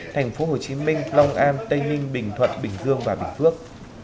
thành phố hồ chí minh long an tây ninh bình thuận bình dương và bình phước